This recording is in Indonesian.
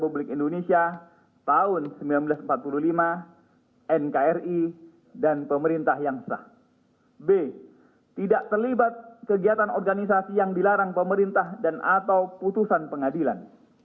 b tidak terlibat kegiatan organisasi yang dilarang pemerintah dan atau putusan pengadilan